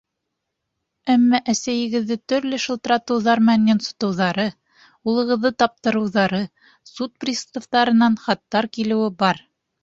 Әммә әсәйегеҙҙе төрлө шылтыратыуҙар менән йонсотоуҙары, улығыҙҙы таптырыуҙары, суд приставтарынан хаттар килеүе бар.